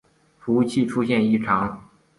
服务器出现异常